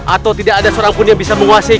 atau tidak ada seorang pun yang bisa menguasai